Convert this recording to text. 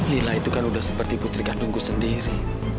lila itu kan udah seperti putri gantungku sendiri